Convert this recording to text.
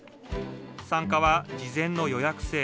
参加は事前の予約制。